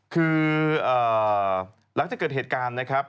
คือหลังจากเกิดเหตุการณ์นะครับ